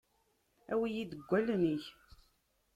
Awi-yi-d deg wallen-ik.